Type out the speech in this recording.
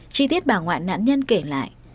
chi tiết bà ngoại nạn nhân kể lại